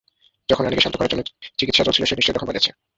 যখন রানিকে শান্ত করার জন্য চিকিৎসা চলছিল, সে নিশ্চয়ই তখন পালিয়েছে।